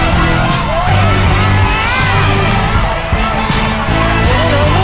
สวัสดีครับ